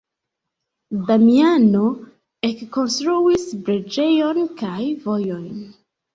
Damiano ekkonstruis preĝejon kaj vojojn.